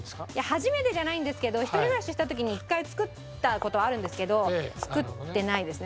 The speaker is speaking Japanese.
初めてじゃないんですけど１人暮らしした時に１回作った事あるんですけど作ってないですね